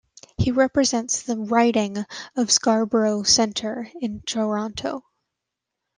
He represents the riding of Scarborough Centre in Toronto.